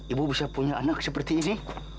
ibu bisa punya anak seperti ini